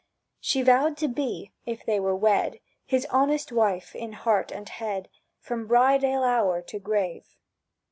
She vowed to be, if they were wed, His honest wife in heart and head From bride ale hour to grave.